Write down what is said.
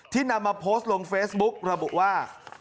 นำมาโพสต์ลงเฟซบุ๊กระบุว่า